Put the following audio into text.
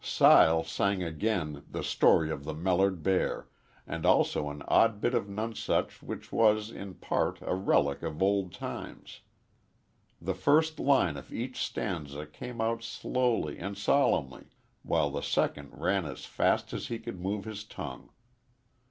Sile sang again "The Story of the Mellered Bear," and also an odd bit of nonsense which was, in part, a relic of old times. The first line of each stanza came out slowly and solemnly while the second ran as fast as he could move his tongue.